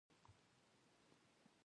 د غوټۍ له ځنګنو سره ولګېد.